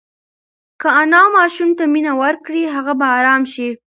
که انا ماشوم ته مینه ورکړي هغه به ارام شي.